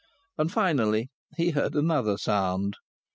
And, finally, he heard another sound.